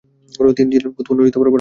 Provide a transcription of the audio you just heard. তিনি ছিলেন ব্যুৎপন্ন ও পারদর্শী।